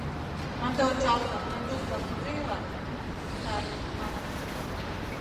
Ынде ончалза, француз-влак кузе илат?» — «Сайын», — маныт.